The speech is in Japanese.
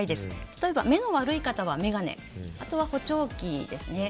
例えば、目が悪い方は眼鏡、あとは補聴器ですね。